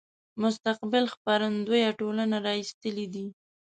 مستقبل خپرندويه ټولنې را ایستلی دی.